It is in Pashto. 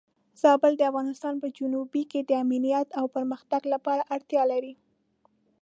زابل د افغانستان په جنوب کې د امنیت او پرمختګ لپاره اړتیا لري.